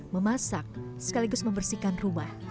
memasak sekaligus membersihkan rumah